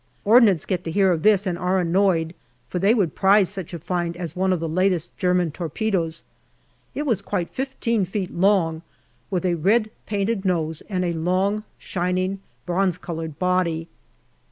Ordnance get to hear of this and are annoyed, for they would prize such a find as one of the latest German torpedoes. It was quite 15 feet long, with a red painted nose and a long, shining, bronze coloured body.